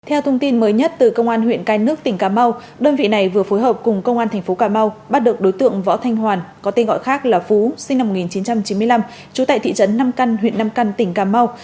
theo thông tin mới nhất từ công an huyện cái nước tỉnh cà mau đơn vị này vừa phối hợp cùng công an thành phố cà mau bắt được đối tượng võ thanh hoàn có tên gọi khác là phú sinh năm một nghìn chín trăm chín mươi năm trú tại thị trấn nam căn huyện nam căn tỉnh cà mau